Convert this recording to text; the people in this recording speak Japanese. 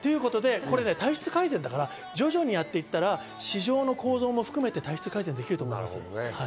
体質改善だから、徐々にやっていったら、市場の向上も含めて体質改善できると思います。